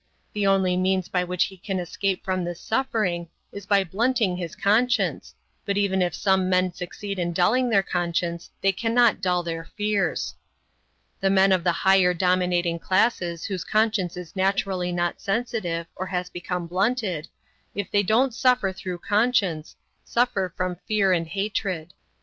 The only means by which he can escape from this suffering is by blunting his conscience, but even if some men succeed in dulling their conscience they cannot dull their fears. The men of the higher dominating classes whose conscience is naturally not sensitive or has become blunted, if they don't suffer through conscience, suffer from fear and hatred.